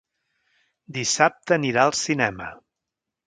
Dissabte anirà al cinema.